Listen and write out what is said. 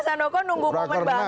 mas sandoko nunggu moment banget nih